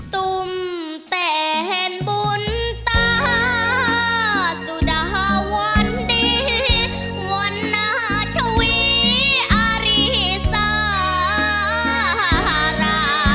ตุ้มแต่เห็นบุญตา